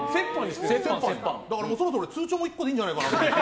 だからそろそろ俺、通帳も１個でいいんじゃないかと思って。